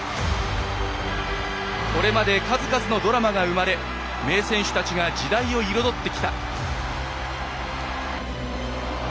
これまで数々のドラマが生まれ名選手たちが時代を彩ってきた。